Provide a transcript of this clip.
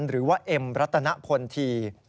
หรือว่าเอ็มรัตนพลที